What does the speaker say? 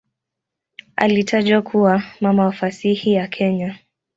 Alitajwa kuwa "mama wa fasihi ya Kenya".